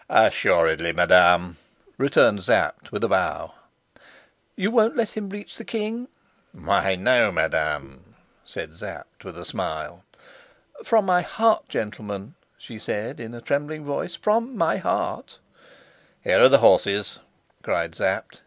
"Assuredly, madam," returned Sapt with a bow. "You won't let him reach the king?" "Why, no, madam," said Sapt with a smile. "From my heart, gentlemen," she said in a trembling voice, "from my heart " "Here are the horses," cried Sapt.